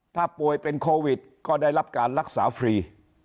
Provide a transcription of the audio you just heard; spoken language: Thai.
ถ้าป่วยเป็นโควิดก็ได้รับการรักษาฟรี